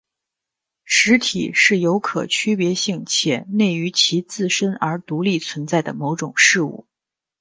实体是有可区别性且内于其自身而独立存在的某种事物。